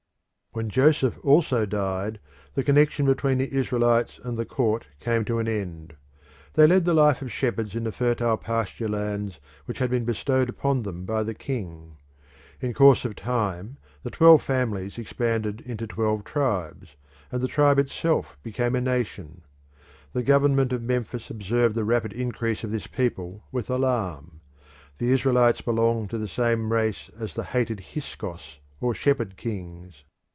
When Joseph also died the connection between the Israelites and the court came to an end. They led the life of shepherds in the fertile pasturelands which had been bestowed upon them by the king. In course of time the twelve families expanded into twelve tribes, and the tribe itself became a nation. The government of Memphis observed the rapid increase of this people with alarm. The Israelites belonged to the same race as the hated Hyksos or Shepherd Kings.